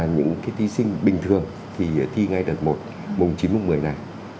những thí sinh bình thường thì thi ngay đợt một mùng chín mùng một mươi này